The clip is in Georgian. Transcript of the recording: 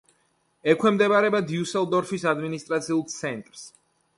ექვემდებარება დიუსელდორფის ადმინისტრაციულ ცენტრს.